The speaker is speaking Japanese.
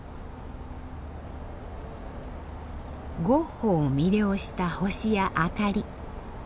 ゴッホを魅了した星や明かり。